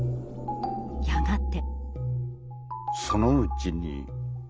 やがて。